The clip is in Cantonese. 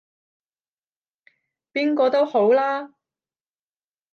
邊個都好啦